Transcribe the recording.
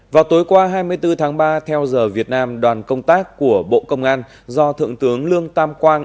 vào tối qua hai mươi bốn tháng ba theo giờ việt nam đoàn công tác của bộ công an do thượng tướng lương tam quang